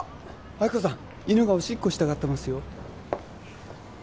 亜希子さん犬がオシッコしたがってますよ